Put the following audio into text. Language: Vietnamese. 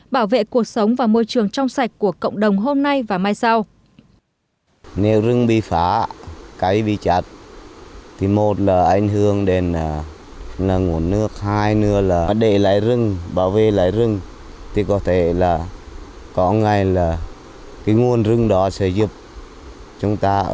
bảo vệ cuộc sống và môi trường trong sạch của cộng đồng hôm nay và mai sau